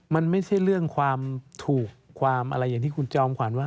มันไม่ใช่เรื่องความถูกความอะไรอย่างที่คุณจอมขวัญว่า